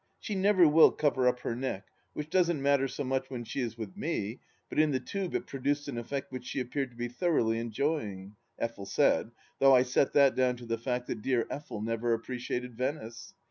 She never will cover up her neck, which doesn't matter so much when she is with me, but in the Tube it produced an effect which she appeared to be thoroughly enjoying, Effel said, though I set that down to the fact that dear Effel never appreciated Venice.